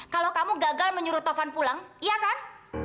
kalau kamu gagal menyuruh tovan pulang iya kan